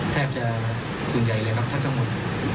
แทบจะส่วนใหญ่เลยครับแทบทั้งหมด